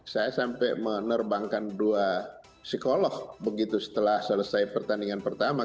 saya sampai menerbangkan dua psikolog begitu setelah selesai pertandingan pertama